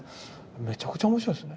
めちゃくちゃ面白いですね。